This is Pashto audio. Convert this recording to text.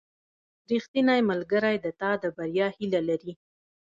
• ریښتینی ملګری د تا د بریا هیله لري.